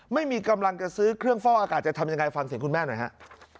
ไม่มีกำลังจะซื้อเครื่องฟอกอากาศจะทำยังไงฟังเสียงคุณแม่หน่อยฮะ